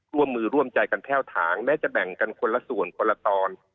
ร่วมมือร่วมใจกันแพ่วถางแม้จะแบ่งกันคนละส่วนคนละตอน